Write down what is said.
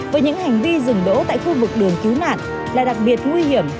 với những hành vi dừng đỗ tại khu vực đường cứu nạn là đặc biệt nguy hiểm